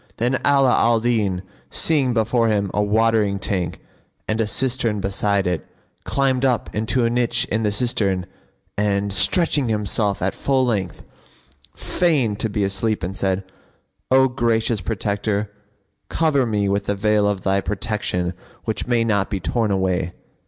Then Ala al Din seeing before him a watering tank and a cistern beside it, climbed up into a niche in the cistern and, stretching himself at full length, feigned to be asleep and said, "O gracious Protector, cover me with the veil of Thy protection which may not be torn away!"